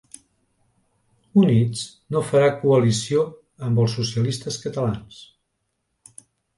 Units no farà coalició amb els socialistes catalans